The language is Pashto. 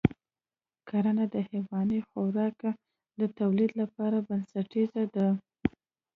کرنه د حیواني خوراک د تولید لپاره بنسټیزه ده.